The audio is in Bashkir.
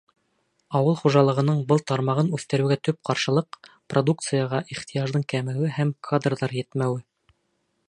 Ауыл хужалығының был тармағын үҫтереүгә төп ҡаршылыҡ — продукцияға ихтыяждың кәмеүе һәм кадрҙар етмәүе.